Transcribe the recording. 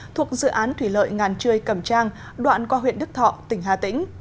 thuộc dự án thủy lợi ngàn trươi cầm trang đoạn qua huyện đức thọ tỉnh hà tĩnh